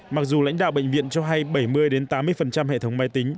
mặc dù lãnh đạo bệnh viện cho hay bảy mươi tám mươi hệ thống máy tính